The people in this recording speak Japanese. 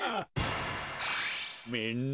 みんな。